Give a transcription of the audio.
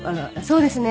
そうですね。